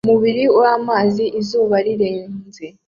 Umubiri w'amazi izuba rirenze